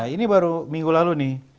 ini baru minggu lalu nih